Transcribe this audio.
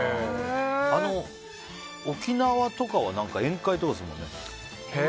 沖縄とかは宴会とかするのね。